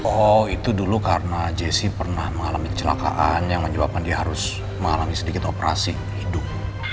oh itu dulu karena jessi pernah mengalami kecelakaan yang menyebabkan dia harus mengalami sedikit operasi hidung